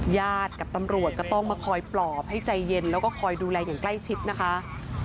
ญาติกับตำรวจก็ต้องมาคอยปลอบให้ใจเย็นแล้วก็คอยดูแลอย่างใกล้ชิดนะคะ